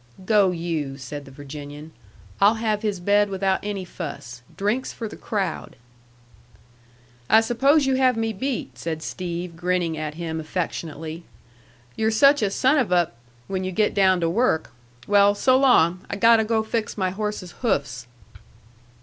"Go yu'" said the Virginian. "I'll have his bed without any fuss. Drinks for the crowd." "I suppose you have me beat," said Steve, grinning at him affectionately. "You're such a son of a when you get down to work. Well, so long! I got to fix my horse's hoofs."